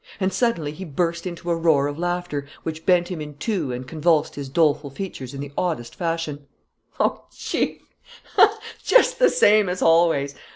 And suddenly he burst into a roar of laughter which bent him in two and convulsed his doleful features in the oddest fashion: "Oh, Chief, just the same as always!...